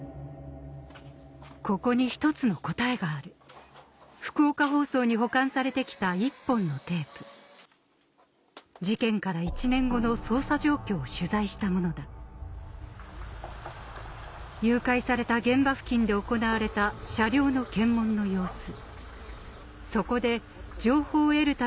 ここに１つの答えがある福岡放送に保管されて来た１本のテープ事件から１年後の捜査状況を取材したものだ誘拐された現場付近で行われた車両の検問の様子